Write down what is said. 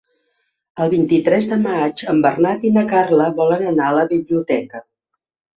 El vint-i-tres de maig en Bernat i na Carla volen anar a la biblioteca.